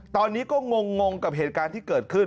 ตอนนี้ก็งงกับเหตุการณ์ที่เกิดขึ้น